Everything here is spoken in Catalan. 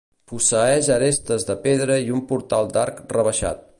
Posseeix arestes de pedra i un portal d'arc rebaixat.